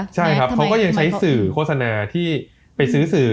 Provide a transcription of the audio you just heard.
ใช่ครับเขาก็ยังใช้สื่อโฆษณาที่ไปซื้อสื่อ